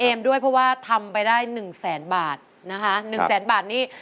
ด้วยเพราะว่าทำไปได้หนึ่งแสนบาทนะคะหนึ่งแสนบาทนี่